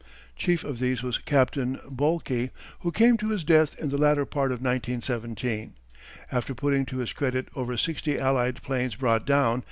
Chief of these was Captain Boelke, who came to his death in the latter part of 1917, after putting to his credit over sixty Allied planes brought down.